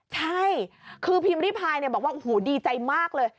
ใช่คือพิมพ์ริพายบอกว่าโอ้โหดีใจมากเลย